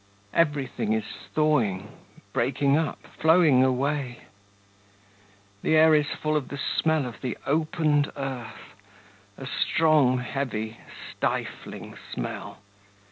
Everything is thawing, breaking up, flowing away. The air is full of the smell of the opened earth, a strong, heavy, stifling smell.